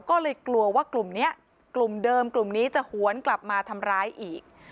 ก็เลยกลัวว่ากลุ่มนี้กลุ่มเดิมกลุ่มนี้จะหวนกลับมาทำร้ายอีก